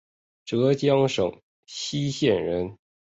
浙江兰溪县人。